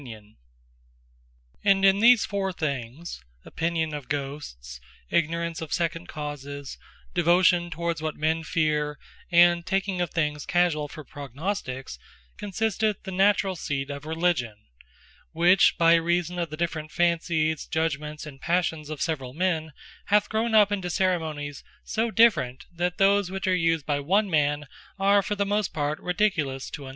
Foure Things, Naturall Seeds Of Religion And in these foure things, Opinion of Ghosts, Ignorance of second causes, Devotion towards what men fear, and Taking of things Casuall for Prognostiques, consisteth the Naturall seed of Religion; which by reason of the different Fancies, Judgements, and Passions of severall men, hath grown up into ceremonies so different, that those which are used by one man, are for the most part ridiculous to another.